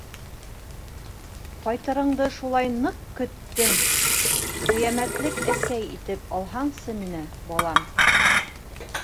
Ҡайтырыңды шулай ныҡ көттөм, ҡиәмәтлек әсәй итеп алһаңсы мине, балам?!